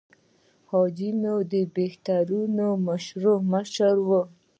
حاجي مو د بهترینې مشورې مشر و.